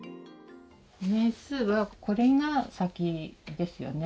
年数はこれが先ですよね